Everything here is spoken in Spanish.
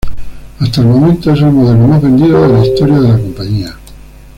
Hasta el momento, es el modelo más vendido de la historia de la compañía.